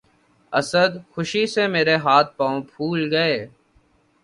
اسد! خوشی سے مرے ہاتھ پاؤں پُھول گئے